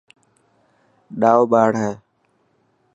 ڏائو ٻاڙ هي.